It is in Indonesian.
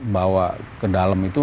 bawa ke dalam itu